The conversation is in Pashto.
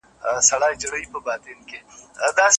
او ضمناً د ځنګله